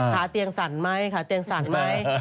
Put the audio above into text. ค้าเตียงศรไหม